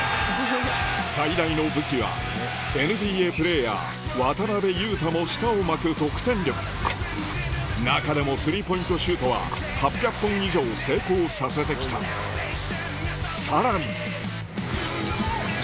最大の武器はＮＢＡプレーヤー渡雄太も舌を巻く得点力中でもスリーポイントシュートは８００本以上成功させてきたさらに！